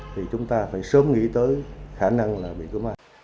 thì chúng ta phải sớm nghĩ tới khả năng là bị cúm a